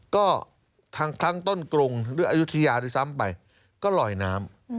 ก็ทั้งต้นกรุงหรืออยุธยาทีซ้ำไปก็ลอยน้ำ